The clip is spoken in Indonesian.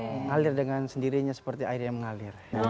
mengalir dengan sendirinya seperti air yang mengalir